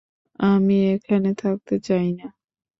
আমি এখানে থাকতে চাই না!